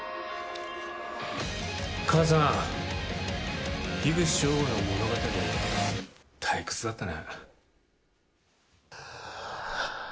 母さん口彰吾の物語退屈だったね。